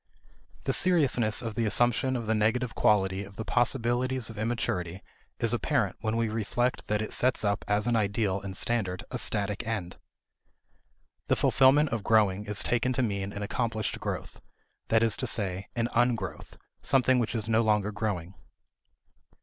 The seriousness of the assumption of the negative quality of the possibilities of immaturity is apparent when we reflect that it sets up as an ideal and standard a static end. The fulfillment of growing is taken to mean an accomplished growth: that is to say, an Ungrowth, something which is no longer growing.